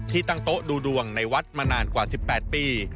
ตั้งโต๊ะดูดวงในวัดมานานกว่า๑๘ปี